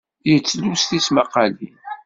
Yettlus tismaqalin.